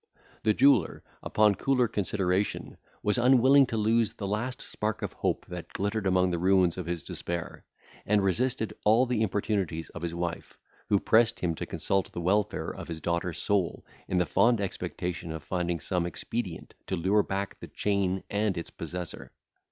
The jeweller, upon cooler consideration, was unwilling to lose the last spark of hope that glittered among the ruins of his despair, and resisted all the importunities of his wife, who pressed him to consult the welfare of his daughter's soul, in the fond expectation of finding some expedient to lure back the chain and its possessor.